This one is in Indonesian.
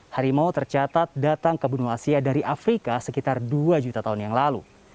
harimau tercatat datang ke bunuh asia dari afrika sekitar dua juta tahun yang lalu